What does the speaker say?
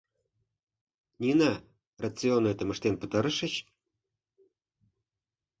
— Нина, рационетым ыштен пытарышыч?